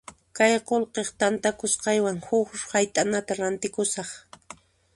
Kay qullqi tantakusqaywan huk hayt'anata rantikusaq.